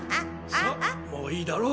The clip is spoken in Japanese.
さもういいだろ！